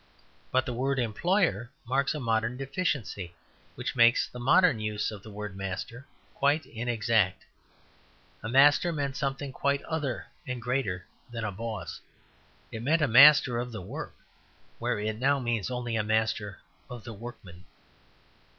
But the word "employer" marks a modern deficiency which makes the modern use of the word "master" quite inexact. A master meant something quite other and greater than a "boss." It meant a master of the work, where it now means only a master of the workmen.